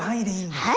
はい。